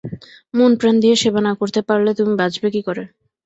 মনপ্রাণ দিয়ে সেবা না করতে পারলে তুমি বাঁচবে কী করে।